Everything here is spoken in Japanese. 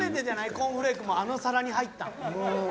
コーンフレークもあの皿に入ったん。